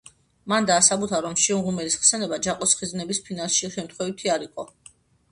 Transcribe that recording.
მან დაასაბუთა, რომ შიო მღვიმელის ხსენება „ჯაყოს ხიზნების“ ფინალში შემთხვევითი არ იყო.